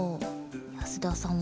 安田さんは？